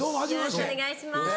よろしくお願いします。